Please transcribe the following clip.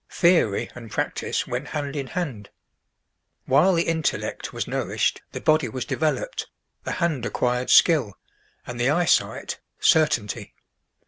Theory and practice went hand in hand. While the intellect was nourished, the body was developed, the hand acquired skill, and the eyesight, certainty.